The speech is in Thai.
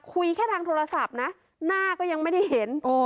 คุยแค่ทางโทรศัพท์นะหน้าก็ยังไม่ได้เห็น